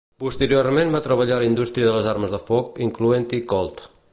Posteriorment va treballar a la indústria de les armes de foc, incloent-hi Colt.